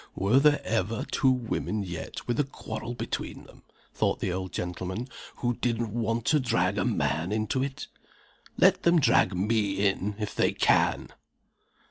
"Were there ever two women yet with a quarrel between them," thought the old gentleman, "who didn't want to drag a man into it? Let them drag me in, if they can!"